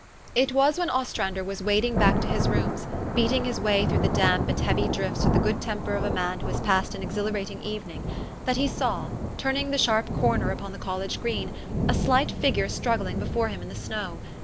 " It was when Ostrander was wading back to his rooms, beating his way through the damp and heavy drifts with the good temper of a man who has passed an exhilarating evening, that he saw, turning the sharp corner upon the college green, a slight figure struggling before him in the snow.